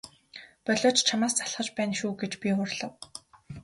Болиоч чамаас залхаж байна шүү гэж би уурлав.